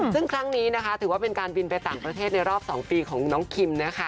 ซึ่งครั้งนี้นะคะถือว่าเป็นการบินไปต่างประเทศในรอบ๒ปีของน้องคิมนะคะ